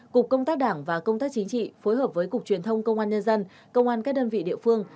cục công tác đảng và công tác chính trị phối hợp với cục truyền thông công an nhân dân công an các đơn vị địa phương